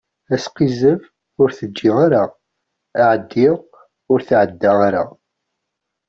Asqizzeb, ur teǧǧi ara; aεeddi, ur tεedda ara.